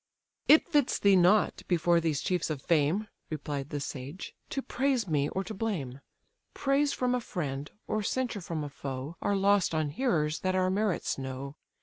"It fits thee not, before these chiefs of fame, (Replied the sage,) to praise me, or to blame: Praise from a friend, or censure from a foe, Are lost on hearers that our merits know.